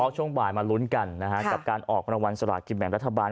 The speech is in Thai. ช่วงบ่ายมาลุ้นกันกับการออกรางวัลสลากกินแบ่งรัฐบาล